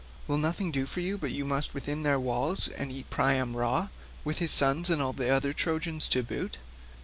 Will nothing do for you but you must go within their walls and eat Priam raw, with his sons and all the other Trojans to boot?